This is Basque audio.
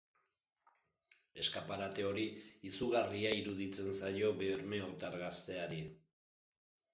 Eskaparate hori izugarria iruditzen zaio bermeotar gazteari.